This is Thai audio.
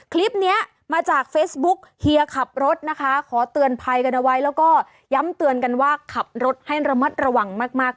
คลิปนี้มาจากเฟซบุ๊กเฮียขับรถนะคะขอเตือนภัยกันเอาไว้แล้วก็ย้ำเตือนกันว่าขับรถให้ระมัดระวังมากมาก